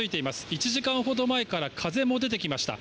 １時間ほど前から風も出てきました。